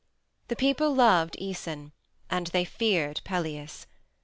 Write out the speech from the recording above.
The people loved Æson; and they feared Pelias.